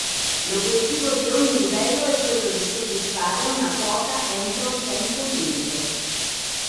L'obiettivo di ogni livello è quello di soddisfare una quota entro il tempo limite.